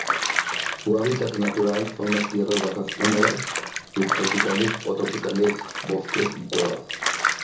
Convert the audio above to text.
Su hábitat natural son las tierras bajas húmedas subtropicales o tropicales bosques, y cuevas.